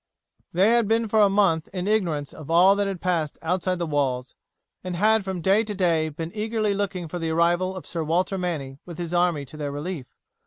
They had been for a month in ignorance of all that had passed outside the walls, and had from day to day been eagerly looking for the arrival of Sir Walter Manny with his army to their relief.